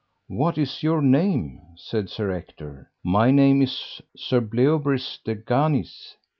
What is your name? said Sir Ector. My name is Sir Bleoberis de Ganis.